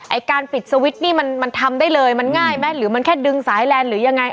การปิดสวิตช์นี่มันมันทำได้เลยมันง่ายไหมหรือมันแค่ดึงสายแลนด์หรือยังไง